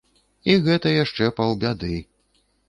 І гэта яшчэ паўбяды.